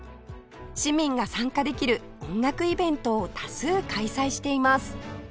市民が参加できる音楽イベントを多数開催しています